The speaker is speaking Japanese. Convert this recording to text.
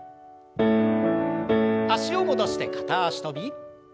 脚を戻して片脚跳び。